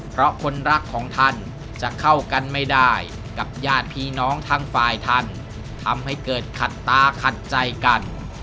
เพราะคนรักของท่านจะเข้ากันไม่ได้กับญาติพี่น้องทั้งฝ่ายท่านทำให้เกิดขัดตาขัดใจกัน